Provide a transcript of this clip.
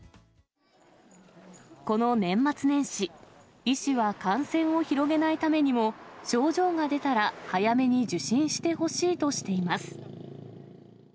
この年末年始、医師は感染を広げないためにも、症状が出たら、早めに受診してほしいとしています。